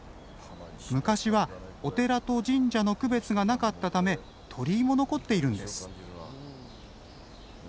昔はお寺と神社の区別がなかったため鳥居も残っているんです。